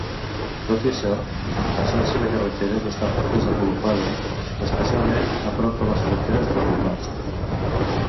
Tot i això, la xarxa de carreteres està poc desenvolupada, especialment a prop de les fronteres de l'óblast.